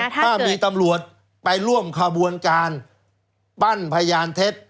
ถ้ามีตำรวจไปร่วมขบวนการปั้นพยานเท็จ